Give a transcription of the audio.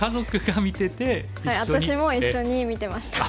私も一緒に見てました。